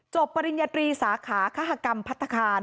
ปริญญาตรีสาขาคหกรรมพัฒนาคาร